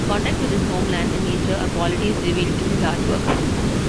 Contact with his homeland and nature are qualities revealed in his artworks.